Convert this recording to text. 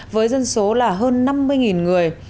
với dân số là hơn năm mươi người